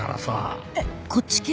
えっこっち系？